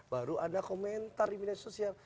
baru ada komentar di media sosial